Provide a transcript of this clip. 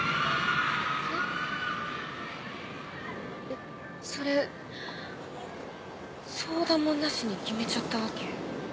えっそれ相談もなしに決めちゃったわけ？